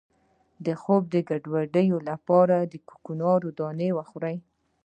د خوب د ګډوډۍ لپاره د کوکنارو ډوډۍ وخورئ